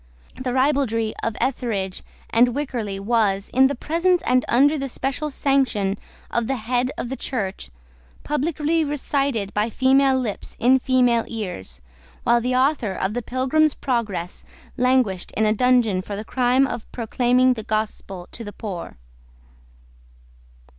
The ribaldry of Etherege and Wycherley was, in the presence and under the special sanction of the head of the Church, publicly recited by female lips in female ears, while the author of the Pilgrim's Progress languished in a dungeon for the crime of proclaiming the gospel to the poor.